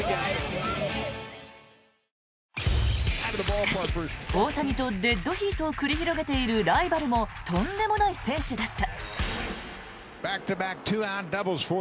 しかし、大谷とデッドヒートを繰り広げているライバルもとんでもない選手だった。